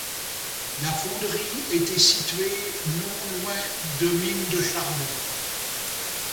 La fonderie était située non loin de mines de charbon.